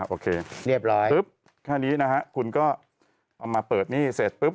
โอเคเรียบร้อยปุ๊บแค่นี้นะฮะคุณก็เอามาเปิดหนี้เสร็จปุ๊บ